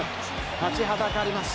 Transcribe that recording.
立ちはだかります。